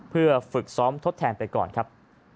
เพื่อฝึกซ้อมทดแทนไปก่อนครับ